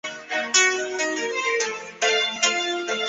降眉肌是人体其中一块肌肉。